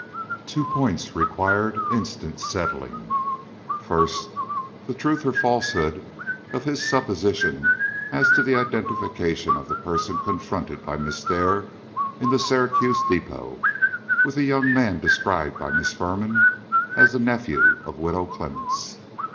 Two points required instant settling. First, the truth or falsehood of his supposition as to the identification of the person confronted by Miss Dare in the Syracuse depot with the young man described by Miss Firman as the nephew of Widow Clemmens.